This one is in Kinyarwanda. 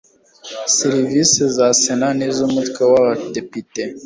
Serivisi za Sena n iz Umutwe w Abadepite